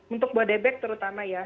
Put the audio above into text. untuk bodebek terutama ya